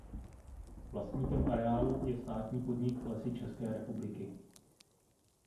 Vlastníkem areálu je státní podnik Lesy České republiky.